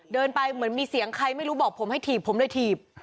เดินไปเหมือนมีเสียงใครไม่รู้บอกผมให้ถีบผมเลยถีบ